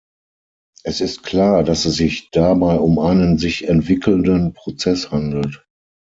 Es ist klar, dass es sich dabei um einen sich entwickelnden Prozess handelt.